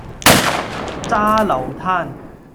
揸流灘